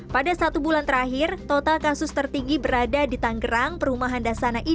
pada satu bulan terakhir total kasus tertinggi berada di tanggerang perumahan dasana indonesia